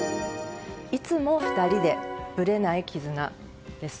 いつも２人でぶれない絆です。